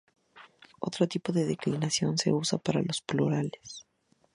Otro tipo de declinación se usa para los plurales.